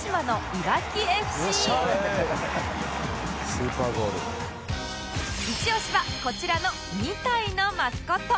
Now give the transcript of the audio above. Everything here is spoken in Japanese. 「スーパーゴール」イチオシはこちらの２体のマスコット